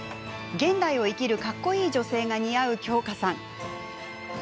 現代を生きるかっこいい女性が似合う京香さん。